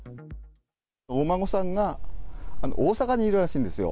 お孫さんが、大阪にいるらしいんですよ。